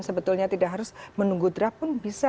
sebetulnya tidak harus menunggu draft pun bisa